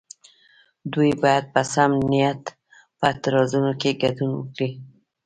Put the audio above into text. دوی باید په سم نیت په اعتراضونو کې ګډون وکړي.